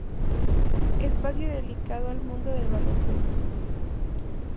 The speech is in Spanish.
Espacio dedicado al mundo del baloncesto.